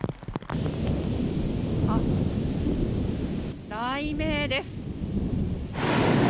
あ、雷鳴です。